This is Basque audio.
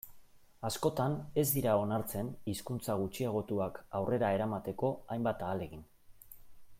Askotan ez dira onartzen hizkuntza gutxiagotuak aurrera eramateko hainbat ahalegin.